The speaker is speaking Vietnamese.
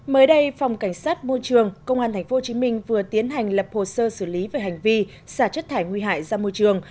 mới đây phòng cảnh sát môi trường công an tp hcm vừa tiến hành lập hồ sơ xử lý về hành vi xả chất thải nguy hại ra môi trường